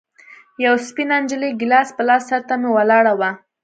يوه سپينه نجلۍ ګيلاس په لاس سر ته مې ولاړه وه.